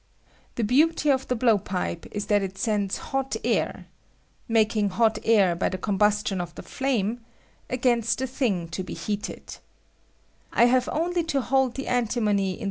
The beauty of the blowpipe is that it sends hot ^r (making hot air by the combustion of the flame) FUSION OF AMTIMONT. 209 against the tliing to be heated. I have only to hold the antimony in.